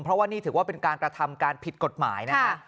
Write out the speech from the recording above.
เพราะว่านี่ถือว่าเป็นการกระทำการผิดกฎหมายนะคะ